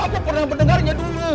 apa pernah mendengarnya dulu